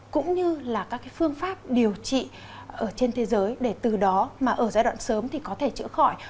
cũng như là các cái phương pháp điều trị ở trên thế giới để từ đó mà ở giai đoạn sớm thì có thể chữa khỏi